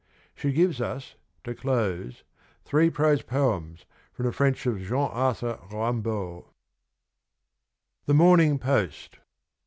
She give us, to close, ' Three Prose Poems ' from the French of Jean Arthur Rimbaud. THE MORNING POST.